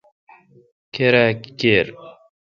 کیرا کیر۔